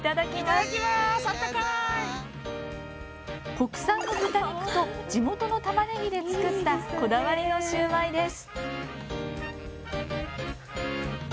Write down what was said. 国産の豚肉と地元のタマネギで作ったこだわりのシューマイです。